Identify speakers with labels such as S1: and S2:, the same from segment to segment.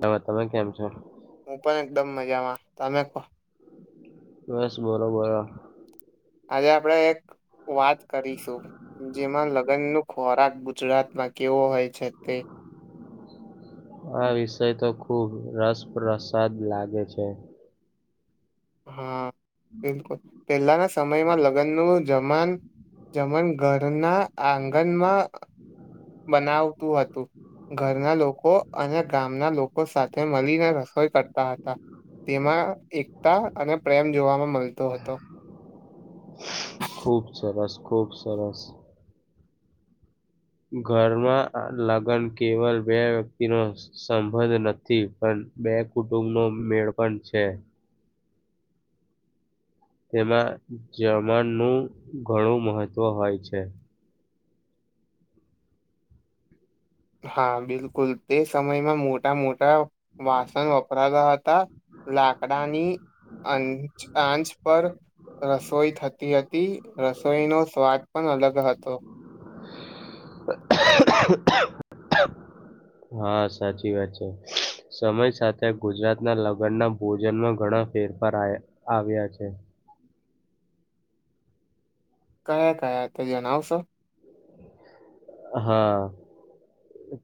S1: હાવે તમે કેમ છો
S2: હું પણ એકદમ મજામાં તમે ક
S1: બસ બરાબરા
S2: આજે આપડે એક વાત કરીશું જેમાં લગ્ન ન ખોરાક ગુજરાતમાં કેવો હોય છે તે [inaudible]
S1: આ વિષય તો ખુબ રસપ પ્રસાદ લાગે છે
S2: હા બિલકુલ પહેલાના સમયમાં લગ્નનુંું જમાન જમન ઘરના આંગણમાં બનાવતું હતું ઘરના લોકો અને ગામના લોકો સાથે મળીને રસોઈ કરતા હતા. તેમાં એકતા અને પ્રેમ જોવામાં મલતો હતો. [inaudible]
S1: ખુબ સરસ ખુબ સરસ ઘરમાં લગ્ન કેવલ બે વ્યક્તિનો સંબંધ નથી પણ બે કુટુંબનો મેળ પણ છે. તેમાં જર્મનું ઘણું મહત્વ હોય છે.
S2: હા બિલકુલ તે સમયમાં મોટા મોટા વાસણ વપરાતા હતા લાકડાની અંચ આંચ પર રસોઈ થતી હતી રસોઈનો સ્વાદ પણ અલગ હતો.
S1: [inaudible] હા સાચી વાત છે. સમય સાથે ગુજરાતના લગ્નના ભોજનમાં ઘણા ફેરફાર આયા આવ્યા છે.
S2: કયા કયા તે જણાવશ
S1: હા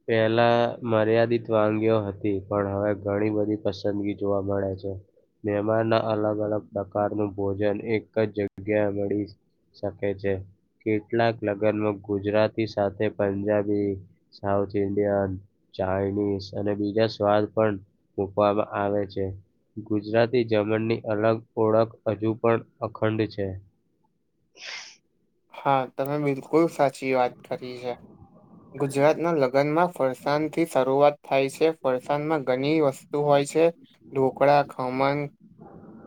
S1: પેહલા મર્યાદિત વાનગીઓ હતી પણ હવે ઘણી બધી પસંદગી જોવા મળે છે. મેહમાન ના અ અલગ અલગ પ્રકારનું ભોજન એક જ જગ્યા મળી શકે છે કેટલાક લગ્નમાં ગુજરાતી સાથે પંજાબી સાઉથ ઇન્ડિયન ચાાઈનીઝ અને બીજા સ્વાદ પણ મૂકવામાં આવે છે. ગુજરાતી જર્મનની અલગ ઓળખ હજુ પણ અખંડ છે. [inaudible]
S2: હા તમે બિલકુલ સાચી વાત કરી છે ગુજરાતના લ ગનમાં ફરસાણથી શરૂઆત થાય છે ફરસાણમાં ઘણી વસ તુ હોય છે ઢોકળા ખમણ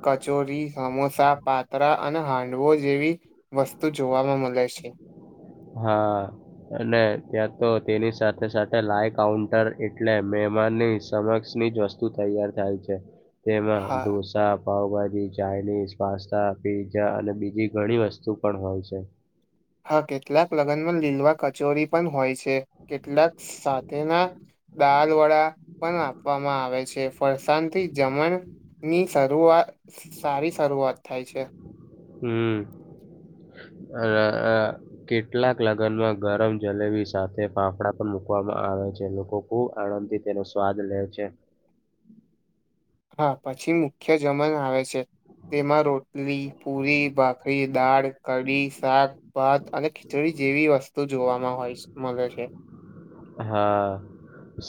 S2: કચોરી સમોસા પાત્રા અને હાંડવો જેવી વસ્તુ જોવામાં મળે છે. છે.
S1: હા, અને ત્યાં તો તેની સાથે સાથે લાઈવ કાઉન્ટર એટલે મે [inaudible] હમાની સમક્ષની જ વસ્તુ તૈયાર થાય છે. તેમાં
S2: હા
S1: ઢોસા, પાાવભાજી જી ચઇનીઝ, પાસ્તા, પીઝા અને બીજી ઘણી વસ્તુ પણ હોય છે.
S2: હા, કેટલાક લગ્નમાં લીલવા કચોરી પણ હોય છે. કેટલાક સાથેના દાલ વડા પણ આપવામાં આવે છે. ફરસાણથી જમણની શરૂઆત સારી શરૂઆત થાય છે.
S1: હમ અ કેટલાક લગ્નમાં ગરમ જલેબી સાથે ફાફડા પણ મુકવામાં આવે છે. લોકો ખુબ આણંદથી તેનો સ્વાદ લે છે.
S2: હા, પછી મુખ્ય જમન આવે છે. તેમાં રોટલી, પુરી, ભાખરી, દાળ, કઢી, શાક, ભાત અને ખીચડી જેવી વસ્તુ જોવામાં હોય છે. મળે છે.
S1: હા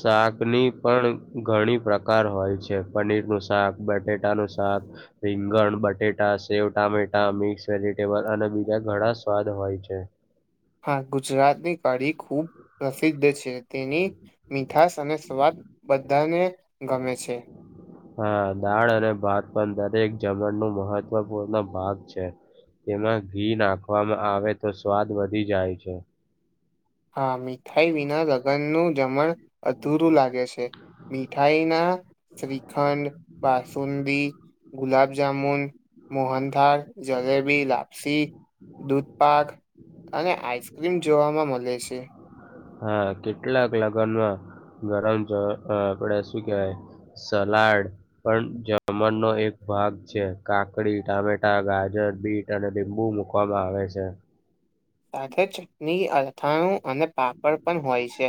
S1: શાકની પણ ઘણી પ્રકાર હોય છે. પનીરનું શાક, બટેટાનું શાક રીંગણ, બટેટા, સેવ, ટામેટા, મિક્સ વેજીિટેબલ અને બીજા ઘણા સ્વાદ હોય હોય છે.
S2: હા, ગુજરાતની કઢી ખૂબ પ્રસિદ્ધ છે. તેની મીઠાસ અને સ્વાદ બધા ને ગમે છે.
S1: હા, દાળ અને ભાત પણ દરેક જમણનુ મહત્વપૂર્ણ ભાગ છે. તેમાં ઘી નાખવામાં આવે તો સ્વાદ વધી જાય છે.
S2: હા, મીઠાઈ વિના લગનનું જમણ અધૂરું લાગે છે. મીઠાઈ ના શ્રીખંડ, બાસુંદી ગુલાબ જામુન, મોહનથાળ, જલેબી લાપસી દૂધ પાક અને આઈસ્ક્રીમ જોવા માં મળે છે.
S1: હા, કેટલાક લગ્નમાં ગરમ આપડે શું કેવાય? સલાડ પણ જમણનો એક ભાગ છે કાકડી, ટામેટા, ગાજર, બીટ અને લિંબુ મૂકવામાં આવે છે.
S2: સાથે ચટણી, અથાણું અને પાપડ પણ હોય છે.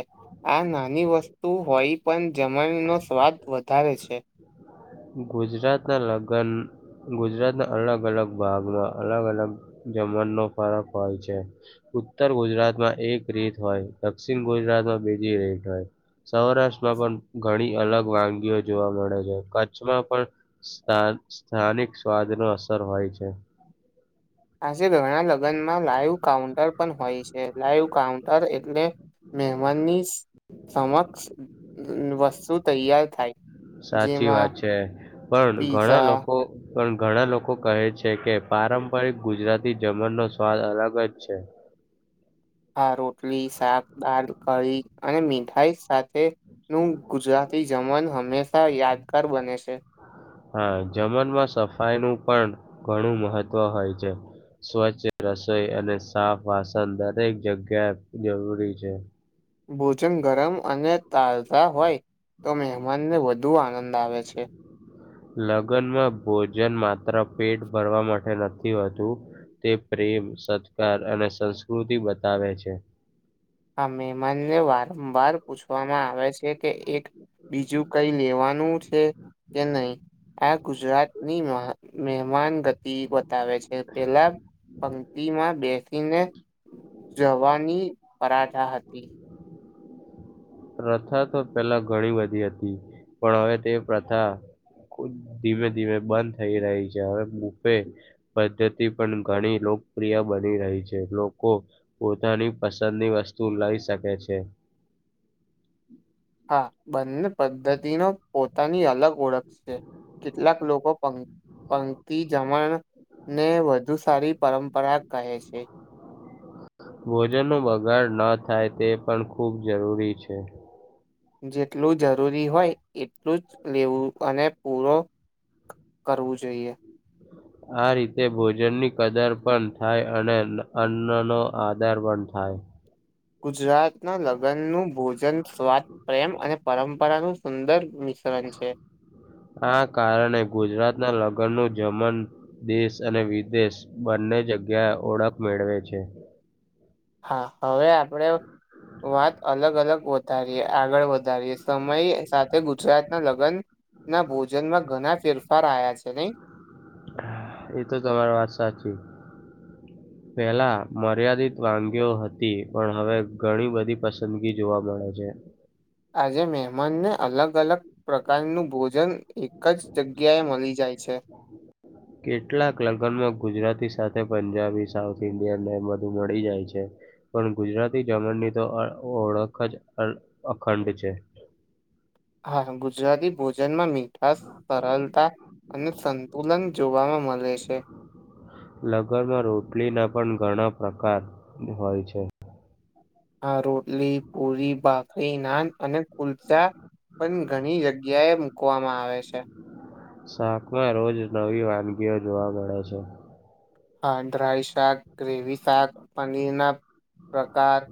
S2: આ નાની વસ્તુ હોય પણ જમણ નો સ્વાદ વધારે છે.
S1: ગુજરાતના લગ્ન, ગુજરાતના અલગ અલગ ભાગમાં અલગ અલગ જમણનો ફરક હોય છે. ઉત્તર ગુજરાતમાં એક રીત હોય, દક્ષિણ ગુજરાત બજી રેટ હોય, સૌરાષ્ટ્રમાં પણ ઘણી અલગ વાનગીઓ જોવા મળે છે. કચ્છ કચ્છમાં પણ સ્થાન સ્થાનિક સ્વાદ ન અસર હોય છે.
S2: આજે ઘણા લગ્નમાં લાઈવ કાઉન્ટર પણ હોય છે. લાઈવ કાઉન્ટર એટલે મહેમાનની સમક્ષ વસ્તુ તૈયાર થાય.
S1: સાચી
S2: જેમાં
S1: વાત છે. પણ ઘણા
S2: પીઝા
S1: લોકો પણ ઘણા લોકો કહે છે કે, પારંપરિક ગુજરાતી જમણનો સ્વાદ અલગ જ છે.
S2: આ રોટલી શાક, દાળ, કળી, અને મીઠાઈ સાથેનું ગુજરાત થી જમન હંમેશા યાદગાર બને છે.
S1: હા, જમનમાં સફાઈનું પણ ઘણું મહત્વ હોય છે. સ્વચ્છ રસોઈ, અને સાફ વાસન દરેક જગ્યા જરૂરી છે.
S2: ભોજન ગરમ અને તાઝા હોય તો મહેમાનને વધુ આનંદ આવે છે.
S1: લગ્નમાં ભોજન માત્ર પેટ ભરવા માટે નથી હોતું. તે પ્રેમ, સત્કાર અને સંસ્કૃતિ બતાવે છે.
S2: આ મેમાનને વારંવાર પૂછવામાં આવે છે કે એક બીજું કઈ લેવાનું છે કે નહી.? આ ગુજરાતની મહેમાન ગતિ બતાવે છે. પેલા, પંક્તિમાં બેસીને જવાની પરાઠા હતી
S1: પ્રથા તો પેલા ઘણી બધી હતી પણ હવે તે પ્રથા ખ ધીમે ધીમે બંધ થઈ રહી છે હવે બફે પદ્ધતિ પણ ઘણી પ્રિય બની રહી છે લોકો પોતાની પસંદની વસ્તુ લઈ શકે છે
S2: [inaudible]
S1: હમ
S2: હા બંને પદ્ધતિનો પોતાની અલગ ઓળખ છે કેટલાક લોકો પંક્તિ જમણ ને વધુ સારી પરંપરા કહે છે
S1: ભોજનનો બગાડ ન થાય તે પણ ખૂબ જરૂરી છે
S2: જેટલું જરૂરી હોય એટલું જ લેવું અને પૂરો કરવું જોઈએ
S1: આ રીતે ભોજનની કદર પણ થાય અને અન્નનોો આધાર પણ થાય [inaudible]
S2: ગુજરાતના લગ્ન નું ભોજન સ્વાદ પ્રેમ અને પરંપરાનું સુંદર મિશ્રણ છે
S1: આ કારણે ગુજરાત ના લગ નગરનું જમન દેશ અને વિદેશ બંને જગ્યાએ ઓળખ મેળવે છે
S2: હા હવે આપડે વાત અલગ અલગ વધારીએ આગળ વધારીએ સમય સાથે ગુજરાત ના લગ્ન ના ભોજનમાં ઘણા ફેરફાર આવ્યા છે નહી
S1: એ તો તમારી વાત સાચી
S2: [inaudible]
S1: પેલા મર્યાદિત વાનગીઓ હતી પણ હવે ઘણી બધી પસંદગી જોવા મળે છે
S2: આજે મહેમાનને અલગ અલગ પ્રકારનું ભોજન કચ્છ જગ્યા એ મળી જાય છે
S1: કેટલાક લગ્નમાં ગુજરાતી સાથે પંજાબી સાઉથ ઇન્ડિયનને બધું મળી જાય છે પણ ગુજરાતી જમણની તો ઓળખ જ અખંડ છે
S2: [inaudible] હા ગુજરાતી ભોજનમાં મીઠાંશ સરળતા અને સંતુલન જોવામાં મળે છે
S1: લગ્નમાં રોટલીના પણ ઘણા પ્રકાર હોય છે
S2: આ રોટલી પૂરી ભાખરી નાન અને કુલચા પણ ઘણી જગ્યાએ મૂકવામાં આવે છે
S1: શાકમાં રોજ નવી વાનગીઓ જોવા મળે છે
S2: હા ડ્રાય શાક ગ્રેવી શાક પનીર ના પ્રકાર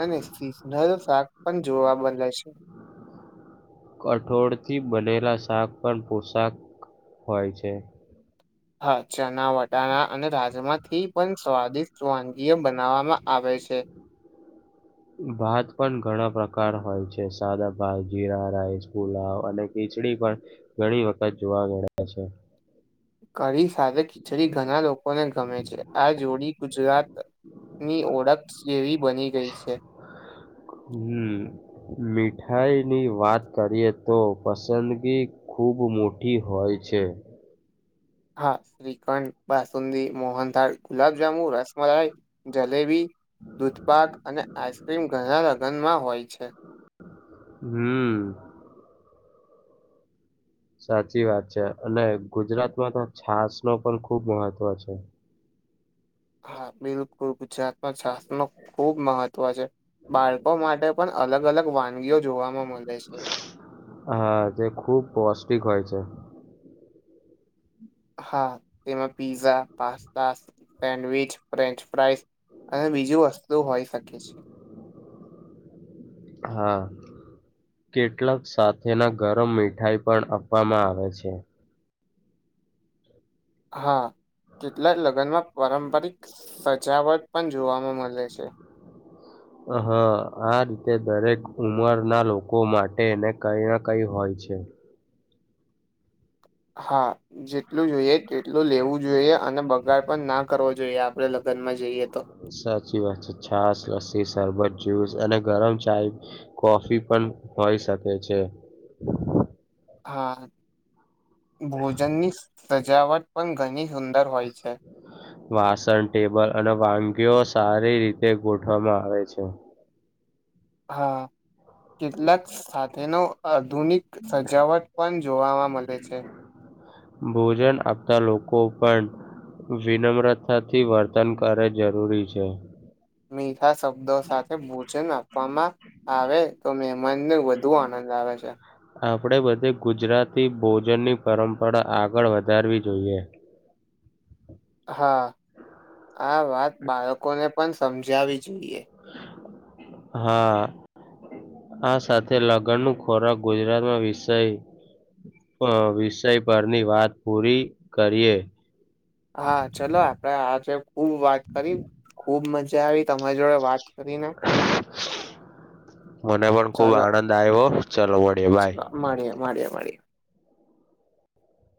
S2: અને ચીજ શાક પણ જોવા બદને છે [inaudible]
S1: કઠોળથી બનેલા શાક પણ પોશાક હોય છે
S2: હા ચણા વટાણા અને રાજમા થી પણ સ્વાદિષ્ટ વાનગીય બનાવવામાં આવે છે [inaudible]
S1: ભાત પણ ઘણા પ્રકાર હોય છે સાદા ભાત જીરા રાઈસ ફુલાવ અને ખીચડી પણ ઘણી વખત જોવા મળ્યા છે
S2: કઢી સાથે ખીચડી ઘણા લોકોને ગમે છે આ જોડી ગુજરાત ની ઓળખસ જેવી બની ગઈ છે
S1: હમ મીઠાઈની વાત કરીએ તો પસંદગી ખૂબ મોટી હોય છે
S2: હા શ્રીખંડ બાસુંદી મોહનદથાળ ગુલાબ જામુ રસ મલાઈ જલેબી દૂધપાક અને આઈસ્ક્રીમ ઘણા લગ્નમાં હોય છે
S1: હમ સાચી વાત છે અને ગુજરાતમાં તો છાસ નો પણ ખુબ મહત્વ છે
S2: હા, બિલકુલ ગુજરાતમાં શાસનો ખુબ મહત્ત્વ છે. બાળકો માટે પણ અલગ-અલગ વાનગીઓ જોવાવામાં મલે
S1: હા, જે ખુબ પૌષ્ટિક હોય છે.
S2: હા, તેમાં pizza, pasta, sandwich, French fries અને બીજું વસ્તુ હોય શકે છે.
S1: હા. કેટલાક સાથેના ગરમ મીઠાઈ પણ આપવામાં આવે છે.
S2: હા, કેટલાક લગ્નમાં પરંપારિક સજાવટ પણ જોવામાં મલે છે.
S1: હા, આ રીતે દરેક ઉમરના લોકો માટે એને કઈ ના કઈ હોય છે.
S2: હા, જેટલું જોઈએ તેટલું લેવું જોઈએ અને બ ગાડ પણ ના કરવો જોઈએ. આપડે લગ્નમાં જઈએ તો.
S1: સાચી વાત છે. છાસ, લસ્સી, સરબત જુસ અને ગરમ ચાય, કોફી પણ હોય શકે છે.
S2: હા, ભોજનની સજાવટ પણ ઘણી સુંદર હોય છે.
S1: વાસણ, ટેબલ અને વાનગીઓ સારી રીતે ગોઠવામાં આવે છે.
S2: હા, કેટલાક સાથેનો આધુનિક સજાવટ પણ જોવામાં મલે
S1: ભોજન આપતા લોકો પણ વિનમ્રતાથી વર્તન કરે જરૂરી છે.
S2: મીઠા શબ્દ સાથે ભોજન આપવામાં આવે તો મેહેમાનને વધુ આનંદ આવે છે.
S1: આપડે બધે ગુજરાતી ભોજનની પરંપરા આગળ વધારવી જોઈએ.
S2: હા, આ વાત બાળકોને પણ સમજાવી જોઈએ.
S1: હા આ સાથે લગ્નનું ખોરાક ગુજરાતમાં વિષય અ વિષય પરની વાત પૂરી કરીએ.
S2: હા, ચલો આપડે આજે ખુબ વાત કરી ખુબ મજા આવી તમારી જોડે વાત કરીને.
S1: મને પણ ખુબ
S2: ચલો
S1: આનંદ આવ્યો. ચલો મડીયે બાય.
S2: મળીએ મળીએ મળીએ